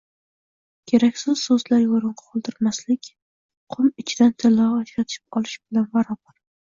keraksiz so‘zlarga o‘rin qoldirmaslik – qum ichidan tillo ajratib olish bilan barobar.